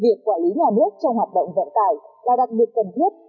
việc quản lý nhà nước trong hoạt động vận tải là đặc biệt cần thiết